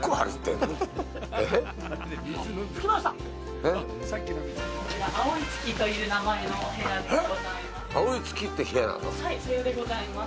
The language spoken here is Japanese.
こちら、「青い月」という名前のお部屋でございます。